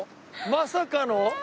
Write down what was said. まさかの？